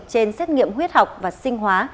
trên xét nghiệm huyết học và sinh hóa